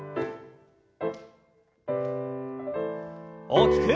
大きく。